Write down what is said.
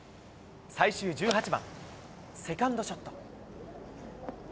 最終１８番、セカンドショット。